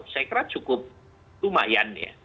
saya kira cukup lumayan ya